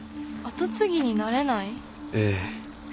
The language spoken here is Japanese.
跡継ぎになれない？ええ。